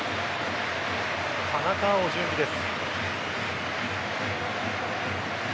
田中碧、準備です。